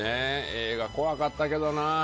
映画、怖かったけどな。